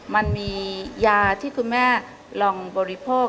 มันมียาที่คุณแม่ลองบริโภค